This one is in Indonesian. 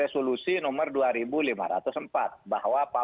yang kemudian disesahkan oleh majelis umum pbb pada bulan november dua ribu dua puluh